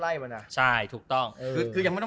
หวังวันนี้คัตเตอร์นี่กัน